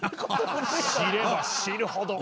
知れば知るほど。